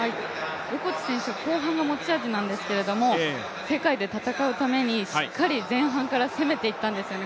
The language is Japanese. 横地選手は後半が持ち味なんですけど、世界で戦うためにしっかり前半から攻めていったんですよね。